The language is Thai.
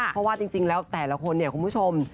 เพราะว่าจริงแล้วแต่ละคนเนี่ยคุณผู้ชม